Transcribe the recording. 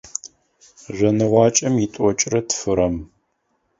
Жъоныгъуакӏэм итӏокӏрэ тфырэм.